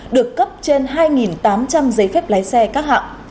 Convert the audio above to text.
được cấp trên hai tám trăm linh giấy phép lái xe các hạng